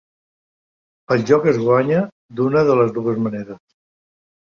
El joc es guanya d'una de les dues maneres.